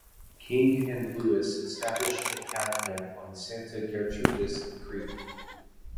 King and Lewis established a cow camp on Santa Gertrudis Creek.